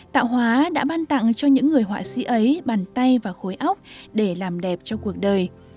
tạo hóa đã ban tặng cho những người họa sĩ ấy bàn tay và khối óc để làm đẹp cho cuộc đời